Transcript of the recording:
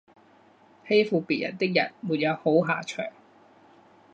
欺负别人的人没有好下场